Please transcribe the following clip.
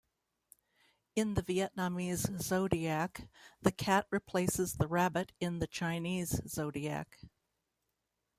In the Vietnamese zodiac, the cat replaces the Rabbit in the Chinese zodiac.